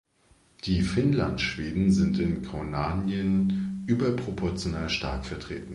Die Finnlandschweden sind in Kauniainen überproportional stark vertreten.